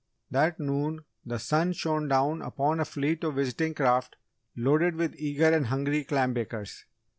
That noon, the sun shone down upon a fleet of visiting craft loaded with eager and hungry clam bakers.